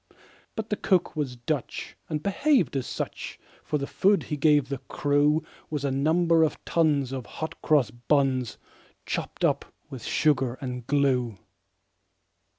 But the cook was Dutch, and behaved as such; For the food that he gave the crew Was a number of tons of hot cross buns, Chopped up with sugar and glue.